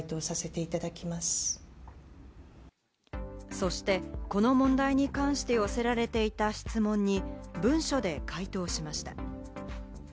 そして、この問題に関して寄せられていた質問に文書で回答しました。